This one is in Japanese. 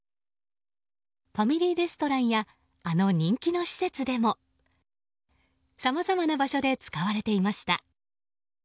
ファミリーレストランやあの人気の施設でもさまざまな場所で使われていました。